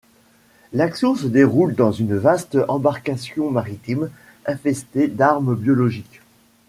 L'action se déroule dans une vaste embarcation maritime infestées d'armes biologiques.